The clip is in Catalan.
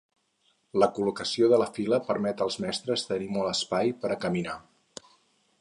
La col·locació de la fila permet als mestres tenir molt d'espai per a caminar.